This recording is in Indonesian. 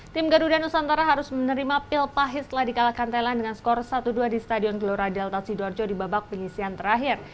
tim garuda nusantara harus menerima pil pahit setelah dikalahkan thailand dengan skor satu dua di stadion gelora delta sidoarjo di babak penyisian terakhir